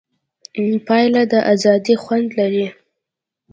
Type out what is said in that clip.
پیاله د ازادۍ خوند لري.